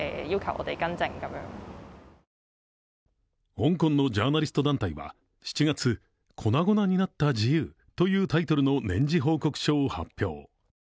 香港のジャーナリスト団体は７月、「粉々になった自由」というタイトルの年次報告書を発表。